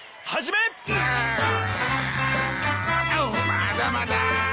まだまだ！